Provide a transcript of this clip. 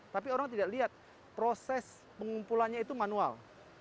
tapi orang tidak lihat proses pengumpulannya itu manual